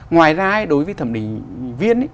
ngoài ra đối với thẩm định viên